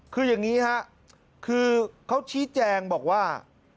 คืออย่างนี้ฮะคือเขาชี้แจงบอกว่า